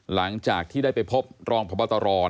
หลังจากที่ได้ไปพบรองพบตร